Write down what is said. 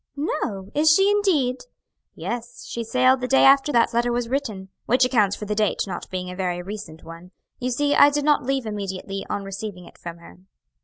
"No, is she indeed?" "Yes, she sailed the day after that letter was written; which accounts for the date not being a very recent one. You see I did not leave immediately on receiving it from her."